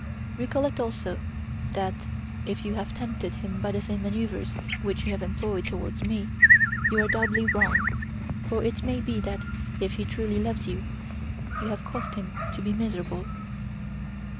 Recollect also that, if you have tempted him by the same manoeuvres which you have employed towards me, you are doubly wrong, for it may be that, if he truly loves you, you have caused him to be miserable."